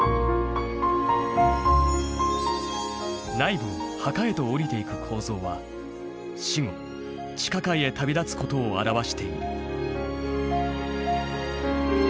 内部を墓へと下りていく構造は死後地下界へ旅立つことを表している。